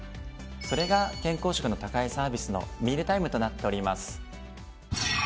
それが健康食の宅配サービスの「ミールタイム」となっております。